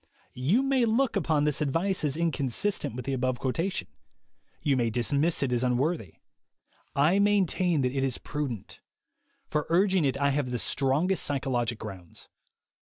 You may look upon this advice as inconsistent with the above quotation. You may dismiss it as unworthy. I maintain that it is prudent. For urg ing it I have the strongest psychologic grounds.